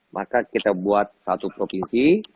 maka kita buat satu provinsi